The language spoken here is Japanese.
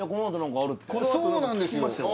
そうなんですよ